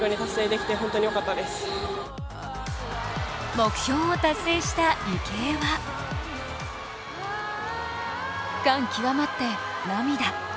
目標を達成した池江は感極まって涙。